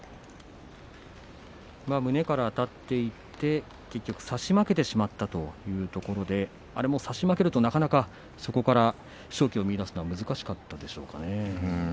胸からあたっていって結局、差し負けてしまったというところであれも差し負けると、なかなかそこから勝機を見いだすのはそうですね。